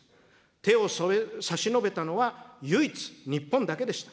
手を差し伸べたのは唯一、日本だけでした。